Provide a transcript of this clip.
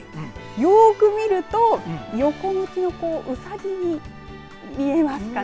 よく見ると横向きのうさぎに見えますかね。